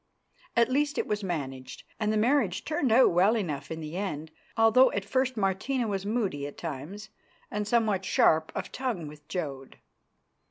At least, it was managed, and the marriage turned out well enough in the end, although at first Martina was moody at times and somewhat sharp of tongue with Jodd.